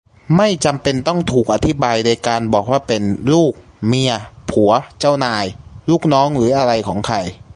ไม่จำเป็นต้องถูกอธิบายโดยการบอกว่าเป็นลูก-เมีย-ผัว-เจ้านาย-ลูกน้องหรืออะไรของใคร